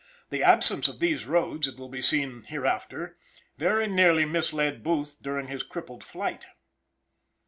The absence of these roads, it will be seen hereafter, very nearly misled Booth during his crippled flight.